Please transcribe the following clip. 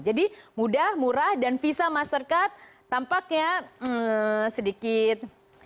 jadi mudah murah dan visa mastercard tampaknya sedikit